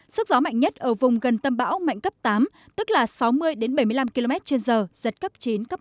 sức gió mạnh nhất ở vùng gần tâm bão mạnh cấp tám tức là sáu mươi đến bảy mươi năm km một giờ giật cấp chín cấp một mươi